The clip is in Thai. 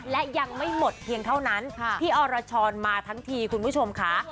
และยังไม่หมดเพียงเท่านั้นพี่อรชรมาทั้งทีคุณผู้ชมค่ะ